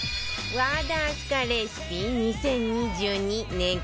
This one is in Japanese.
和田明日香レシピ２０２２年間